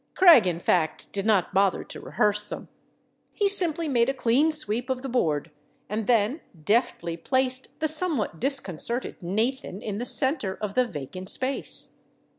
Craig, in fact, did not bother to rehearse them. He simply made a clean sweep of the board, and then deftly placed the somewhat disconcerted Nathan in the center of the vacant space.